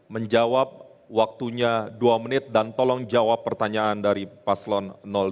menjawab waktunya dua menit dan tolong jawab pertanyaan dari paslon dua